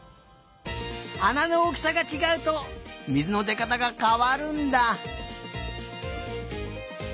あなのおおきさがちがうとみずのでかたがかわるんだ。